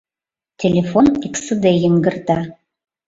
Телефон эксыде йыҥгырта.